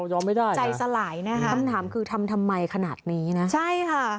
ยอมไม่ได้ใจสลายนะคะคำถามคือทำทำไมขนาดนี้นะใช่ค่ะ